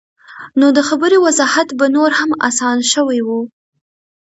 نو د خبرې وضاحت به نور هم اسان شوے وۀ -